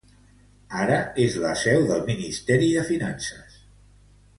Ara, és la seu del Ministeri de Finances.